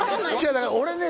俺ね